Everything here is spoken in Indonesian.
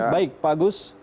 baik pak agus